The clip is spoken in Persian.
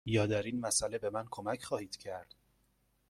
یا در این مسأله به من کمک خواهید کرد؟